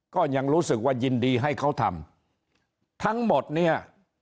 ก็ยังรู้สึกว่ายินดีให้เขาทำทั้งหมดเนี่ย